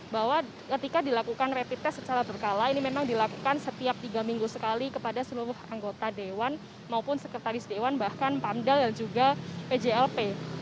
bahwa ketika dilakukan rapid test secara berkala ini memang dilakukan setiap tiga minggu sekali kepada seluruh anggota dewan maupun sekretaris dewan bahkan pamdal dan juga pjlp